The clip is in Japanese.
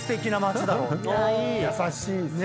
優しいっすね。